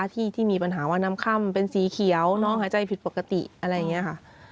ที่มีปัญหาว่าน้ำค่ำเป็นสีเขียวน้องหายใจผิดปกติอะไรอย่างนี้ค่ะ